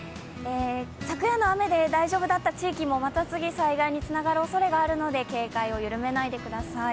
昨夜の雨で、大丈夫だった地域もまた次、災害につながるおそれがあるので警戒を弱めないでください。